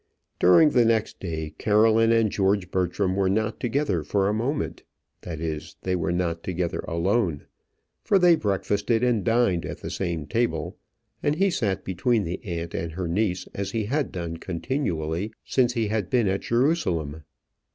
During the next day Caroline and George Bertram were not together for a moment that is, they were not together alone; for they breakfasted and dined at the same table, and he sat between the aunt and her niece as he had done continually since he had been at Jerusalem.